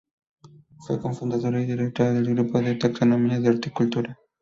Fue cofundadora y directora del "Grupo de Taxonomía en Horticultura".